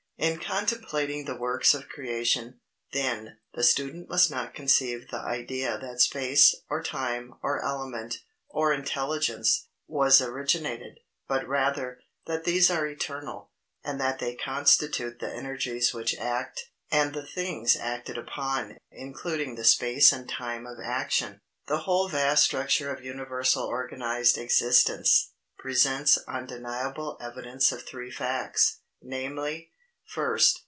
In contemplating the works of creation, then, the student must not conceive the idea that space, or time, or element, or intelligence, was originated, but rather, that these are eternal, and that they constitute the energies which act, and the things acted upon, including the place and time of action. The whole vast structure of universal organized existence, presents undeniable evidence of three facts, viz. First.